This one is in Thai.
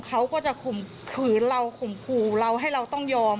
เขาก็จะขุมขู่เราให้เราต้องยอม